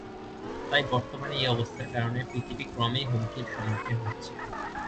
তাই বর্তমানে এই অবস্থার কারণে পৃথিবী ক্রমেই হুমকির সম্মুখীন হচ্ছে।